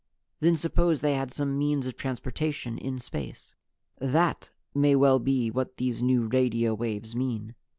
Then suppose they had some means of transportation in space. "That may well be what these new radio waves mean.